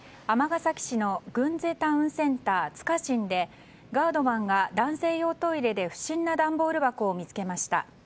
尼崎市のグンゼタウンセンターつかしんでガードマンが男性用トイレで不審な段ボール箱を見つけました。